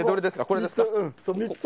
これですか？